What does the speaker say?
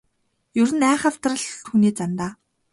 Ер нь айхавтар л хүний зан даа.